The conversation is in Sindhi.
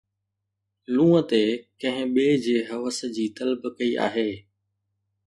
لُونءَ تي ڪنهن ٻئي جي حوس جي طلب ڪئي آهي